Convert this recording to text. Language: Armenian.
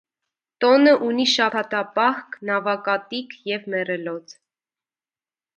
Տօնը ունի շաբաթապահք, նաւակատիք եւ մեռելոց։